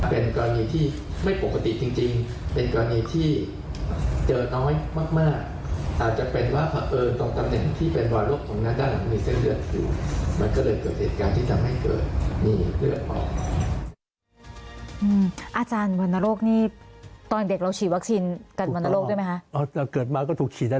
เป็นกรณีที่ไม่ปกติจริงเป็นกรณีที่เจอน้อยมากอาจจะเป็นว่าเพราะเอิญตรงตำแหน่งที่เป็นวรรณโรคของนักด้านหลังมีเส้นเลือดอยู่มันก็เลยเกิดเหตุการณ์ที่ทำให้เกิดมีเลือดออก